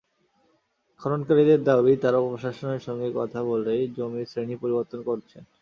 খননকারীদের দাবি, তাঁরা প্রশাসনের সঙ্গে কথা বলেই জমির শ্রেণি পরিবর্তন করছেন।